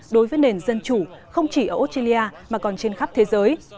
đối với nền dân chủ không chỉ ở australia mà còn trên khắp thế giới